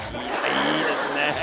いいですね！